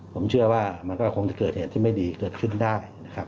ผมเชื่อว่ามันก็คงจะเกิดเหตุที่ไม่ดีเกิดขึ้นได้นะครับ